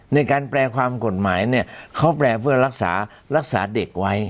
ในการแปลความกฎหมายเนี่ยเขาแปลเพื่อรักษารักษาเด็กไว้